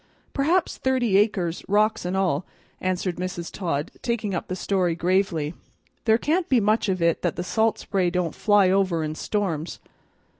"Perhaps thirty acres, rocks and all," answered Mrs. Todd, taking up the story gravely. "There can't be much of it that the salt spray don't fly over in storms.